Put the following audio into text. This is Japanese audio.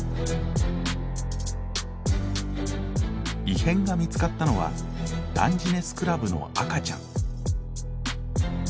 異変が見つかったのはダンジネスクラブの赤ちゃん。